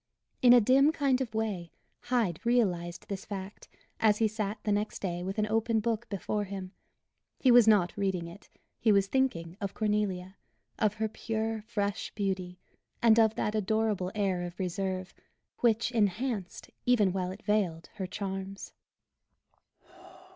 In a dim kind of way Hyde realized this fact as he sat the next day with an open book before him. He was not reading it; he was thinking of Cornelia of her pure, fresh beauty; and of that adorable air of reserve, which enhanced, even while it veiled her charms.